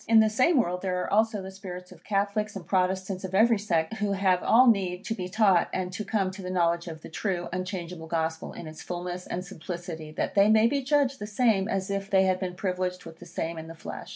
In the same world there are also the spirits of Catholics, and Protestants of every sect, who have all need to be taught, and to come to the knowledge of the true, unchangeable Gospel, in its fulness and simplicity, that they may be judged the same as if they had been privileged with the same in the flesh.